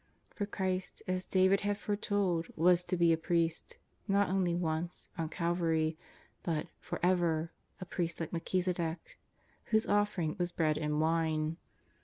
For Christ, as David had fore told, was to be a Priest, not once only, on Calvary, but " for ever," a Priest like Melchisedech, whose offering was bread and wine.